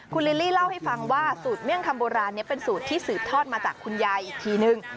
คุณลิลลี่เล่าให้ฟังว่าสูตรเมี่ยงคำโบราณนี้เป็นสูตรที่สืบทอดมาจากคุณยายอีกทีนึง